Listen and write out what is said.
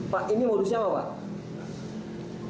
pak ini modusnya apa pak